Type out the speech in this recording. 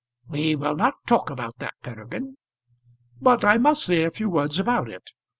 "We will not talk about that, Peregrine." "But I must say a few words about it.